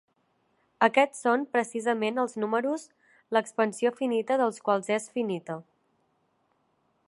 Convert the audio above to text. Aquests són precisament els números l'expansió finita dels quals és finita.